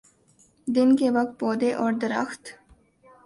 دن کے وقت پودے اور درخت